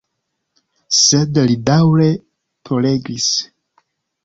Sed li daŭre ploregis.